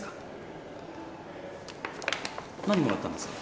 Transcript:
何もらったんですか？